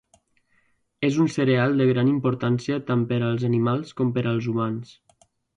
És un cereal de gran importància tant per als animals com per als humans.